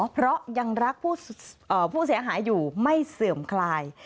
เพราะยังรักผู้เสียหายอยู่ไม่เสื่อมคลาย